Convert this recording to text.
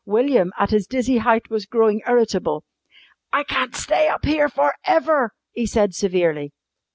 William, at his dizzy height, was growing irritable. "I can't stay up here for ever," he said severely.